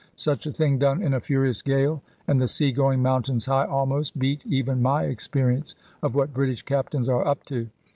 Such a thing done in a furious gale, and the sea going mountains high almost, beat even my experience of what British captains are up to.